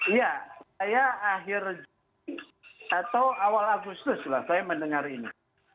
iya saya akhir juni atau awal agustus lah saya mendengar ini